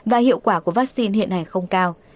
và hiệu quả của vaccine hiện hành không cao